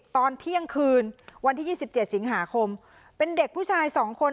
ตอนเที่ยงคืนวันที่ยี่สิบเจ็ดสิงหาคมเป็นเด็กผู้ชายสองคน